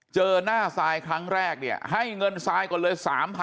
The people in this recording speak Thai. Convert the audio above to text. เจอหน้าซายครั้งแรกเนี่ยให้เงินทรายก่อนเลย๓๐๐๐